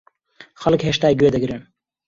خەڵک هێشتا گوێ دەگرن؟